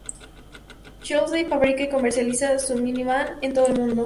Chrysler fabrica y comercializa sus Minivan en todo el mundo.